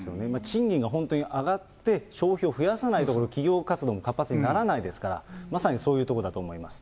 賃金が本当に上がって消費を増やさないと、企業活動も活発にならないですから、まさにそういうところだと思います。